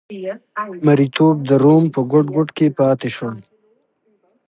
مریتوب د روم په ګوټ ګوټ کې پاتې شو.